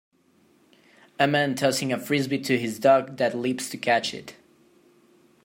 A man tossing a Frisbee to his dog that leaps to catch it.